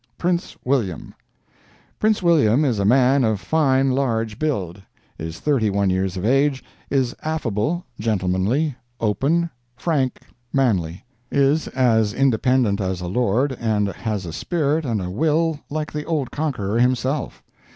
PRINCE WILLIAM Prince William is a man of fine large build; is thirty one years of age, is affable, gentlemanly, open, frank, manly; is as independent as a lord and has a spirit and a will like the old Conqueror himself.